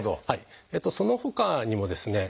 そのほかにもですね